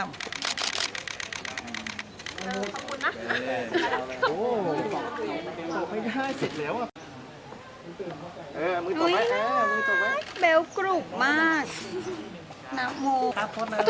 พี่จ๋อมม่ะ